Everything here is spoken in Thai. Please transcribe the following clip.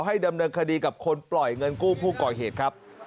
ดำเนินคดีกับคนปล่อยเงินกู้ผู้ก่อเหตุครับ